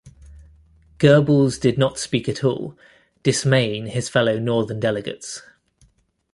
Goebbels did not speak at all, dismaying his fellow northern delegates.